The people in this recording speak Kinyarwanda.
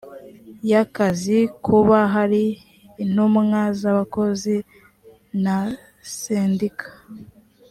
y akazi kuba hari intumwa z abakozi na sendika